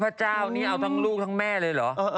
พระเจ้านี่เอาทั้งลูกทั้งแม่เลยเหรอ